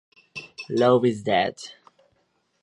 Love is Dead